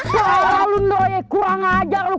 parah lu ngeroye kurang ajar lu